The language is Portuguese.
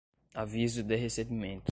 aviso de recebimento